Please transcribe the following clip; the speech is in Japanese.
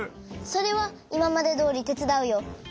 それはいままでどおりてつだうよ。